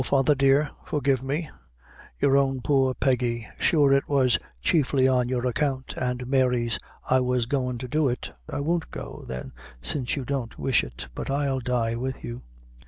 father dear, forgive me your own poor Peggy; sure it was chiefly on your account and Mary's I was goin' to do it. I won't go, then, since you don't wish it; but I'll die with you."